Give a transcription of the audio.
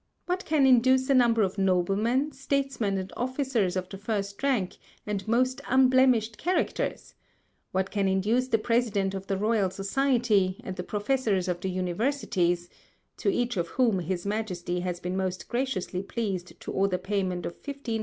What can induce a Number of Noblemen, Statesmen and Officers of the first Rank and most unblemished Characters; what can induce the President of the Royal Society, and the Professors of the Universities (to each of whom his Majesty has been most graciously pleased to order Payment of 15 l.